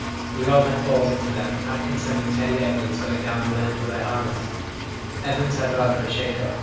We all had falls into them, Atkinson and Teddy Evans going down the length of their harness. Evans had rather a shake up.